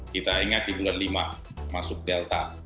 kita ingat di bulan lima masuk delta